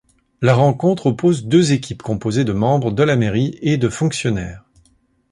La rencontre oppose deux équipes composées de membres de la mairie et de fonctionnaires.